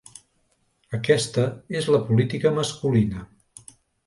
Aquesta és la política masculina.